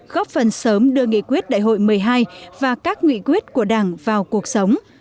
góp phần sớm đưa nghị quyết đại hội một mươi hai và các nghị quyết của đảng vào cuộc sống